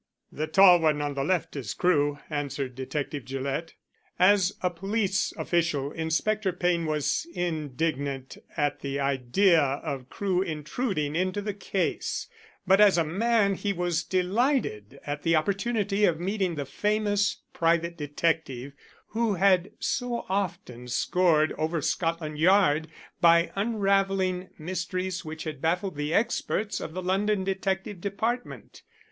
"The tall one on the left is Crewe," answered Detective Gillett. As a police official, Inspector Payne was indignant at the idea of Crewe intruding into the case, but as a man he was delighted at the opportunity of meeting the famous private detective who had so often scored over Scotland Yard by unravelling mysteries which had baffled the experts of the London detective department.